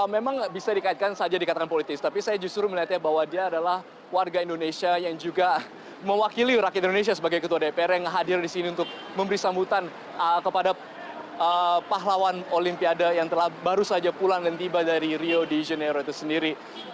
memang bisa dikaitkan saja dikatakan politis tapi saya justru melihatnya bahwa dia adalah warga indonesia yang juga mewakili rakyat indonesia sebagai ketua dpr yang hadir disini untuk memberi sambutan kepada pahlawan olimpiade yang baru saja pulang dan tiba dari rio de janeiro itu sendiri